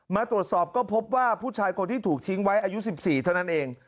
มาตรวจสอบก็พบว่าผู้ชายคนที่ถูกทิ้งไว้อายุ๑๔เท่านั้นเอง